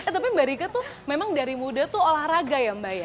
tapi mbak rika tuh memang dari muda tuh olahraga ya mbak ya